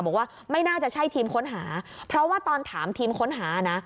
บอกว่าไม่น่าจะใช่ทีมค้นหาเพราะว่าตอนถามทีมค้นหานะ